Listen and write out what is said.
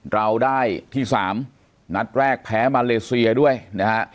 เราได้ที่๓นัดแรกแพ้มาเลเซียด้วยนะฮะ